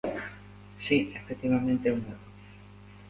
Si, efectivamente, é un erro.